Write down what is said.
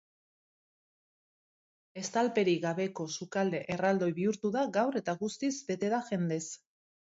Estalperik gabeko sukalde erraldoi bihurtu da gaur eta guztiz bete da jendez.